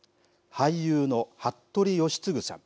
俳優の服部吉次さん